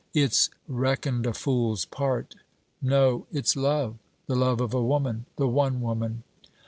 It's reckoned a fool's part. No, it's love: the love of a woman the one woman!